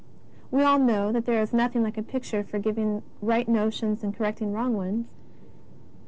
We all know that there is nothing like a picture for giving right notions and correcting wrong ones.